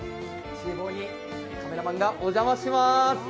ちゅう房にカメラマンがお邪魔します。